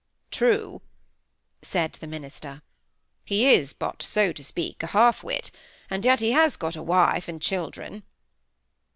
"True," said the minister. "He is but, so to speak, a half wit; and yet he has got a wife and children."